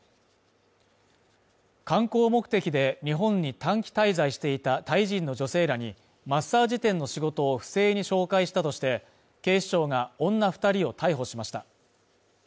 観光目的で日本に短期滞在していたタイ人の女性らにマッサージ店の仕事を不正に紹介したとして、警視庁が女２人を逮捕しました。